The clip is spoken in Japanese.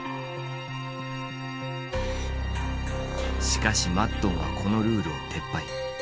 しかしマッドンはこのルールを撤廃。